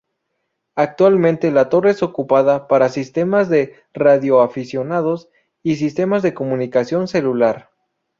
Actualmente la torre es ocupada para sistemas de radioaficionados, y sistemas de comunicación celular.